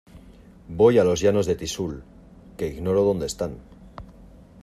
voy a los llanos de Tixul, que ignoro dónde están.